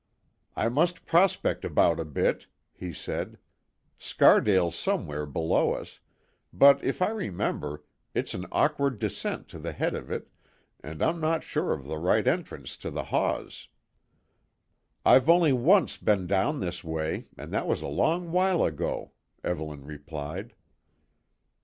"I must prospect about a bit," he said. "Scardale's somewhere below us; but if I remember, it's an awkward descent to the head of it, and I'm not sure of the right entrance to the Hause." "I've only once been down this way, and that was a long while ago," Evelyn replied.